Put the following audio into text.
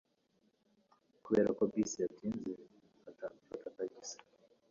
Kubera ko bisi yatinze, mfata tagisi.